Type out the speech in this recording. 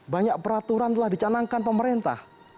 banyak peraturan telah dicanangkan pemerintah